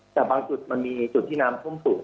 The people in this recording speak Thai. แต่บางจุดมันมีจุดที่น้ำท่วมสูง